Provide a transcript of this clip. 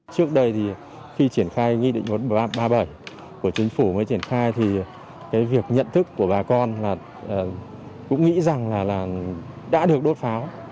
trước đây thì khi triển khai nghị định một nghìn ba trăm ba mươi bảy của chính phủ mới triển khai thì cái việc nhận thức của bà con là cũng nghĩ rằng là đã được đốt pháo